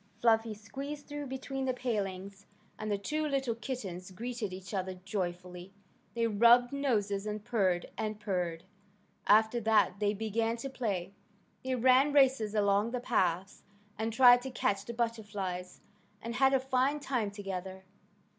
Fluffy squeezed through between the palings, and the two little kittens greeted each other joyfully. They rubbed noses and purred and purred. After that they began to play. They ran races along the paths, and tried to catch the butterflies, and had a fine time together.